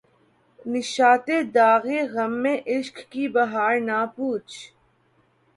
نشاطِ داغِ غمِ عشق کی بہار نہ پُوچھ